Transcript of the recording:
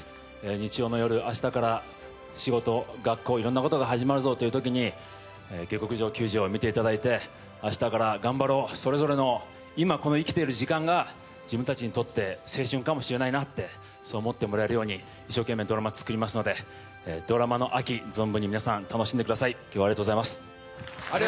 日曜の夜、明日から仕事、学校、いろんなことが始まるぞというときに「下剋上球児」を見ていただいて明日から頑張ろう、それぞれの今生きている時間が自分たちにとって青春かもしれないなって思ってもらえるように一生懸命ドラマを作りますのでドラマの秋、存分に皆さん、楽しんでください。